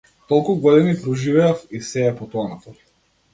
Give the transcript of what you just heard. Толку години проживеав, и сѐ е потонато.